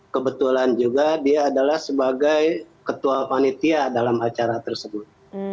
kebetulan juga dia adalah sebagai ketua panitia dalam acara tersebut